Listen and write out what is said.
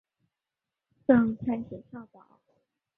赠太子少保。